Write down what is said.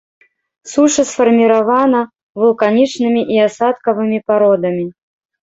Суша сфарміравана вулканічнымі і асадкавымі пародамі.